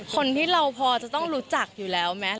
คนที่เราพอจะต้องรู้จักอยู่แล้วไหม